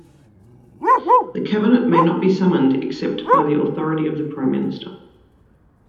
The Cabinet may not be summoned except by the authority of the Prime Minister.